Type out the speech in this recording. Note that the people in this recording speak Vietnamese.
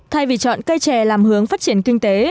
thay vì chọn cây trẻ làm hướng phát triển kinh tế